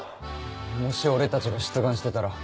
もし俺たちが出願してたら。